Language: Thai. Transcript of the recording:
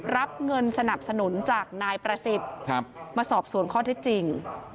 รับเงินสนับสนุนจากนายประศิษฐร์มาสอบสวนข้อได้จะดึง